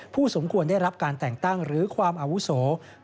สมควรได้รับการแต่งตั้งหรือความอาวุโส